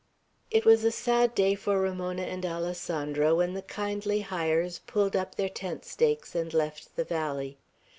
It was a sad day for Ramona and Alessandro when the kindly Hyers pulled up their tent stakes and left the valley.